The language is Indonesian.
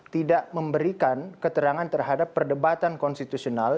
tidak memberikan keterangan terhadap perdebatan konstitusional